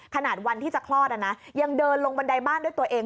ขนาดวันที่จะคลอดยังเดินลงบันไดบ้านด้วยตัวเอง